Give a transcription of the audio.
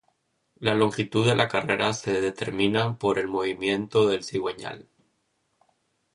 La longitud de la carrera se determina por el movimiento del cigüeñal.